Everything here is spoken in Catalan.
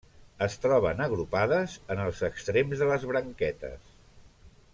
Es troben agrupades en els extrems de les branquetes.